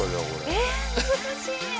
えっ難しい。